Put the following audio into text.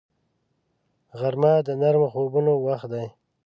غرمه د نرمو خوبونو وخت دی